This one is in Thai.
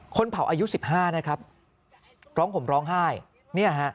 คนเผาอายุ๑๕นะครับร้องผมร้องไห้